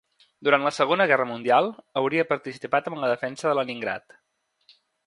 Durant la Segona Guerra Mundial hauria participat en la defensa de Leningrad.